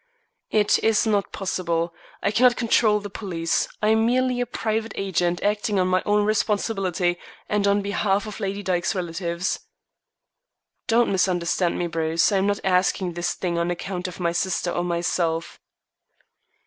"It is not possible. I cannot control the police. I am merely a private agent acting on my own responsibility and on behalf of Lady Dyke's relatives." "Don't misunderstand me, Bruce. I am not asking this thing on account of my sister or myself."